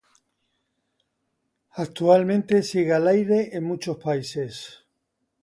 Actualmente sigue al aire en muchos países.